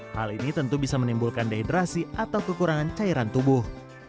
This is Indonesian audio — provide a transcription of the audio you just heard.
hal ini tentu bisa menimbulkan dehidrasi atau kekurangan cairan tubuh